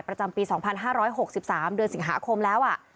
ประจำปี๒๕๖๓เดือนสิงหาคมแล้ว